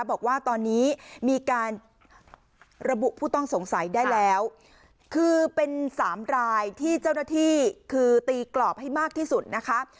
บอกว่าตอนนี้มีการระบุผู้ต้องสงสัยได้แล้วคือเป็นสามรายที่เจ้าหน้าที่คือตีกรอบให้มากที่สุดนะคะ